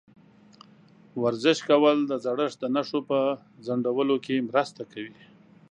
ورزش کول د زړښت د نښو په ځنډولو کې مرسته کوي.